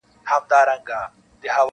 کارګه څوک دی چي پنیر په توره خوله خوري-